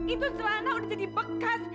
itu celana udah jadi bekas